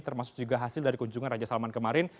termasuk juga hasil dari kunjungan raja salman kemarin